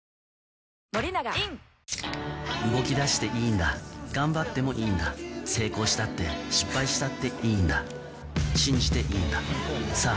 プシュ動き出していいんだ頑張ってもいいんだ成功したって失敗したっていいんだ信じていいんださぁ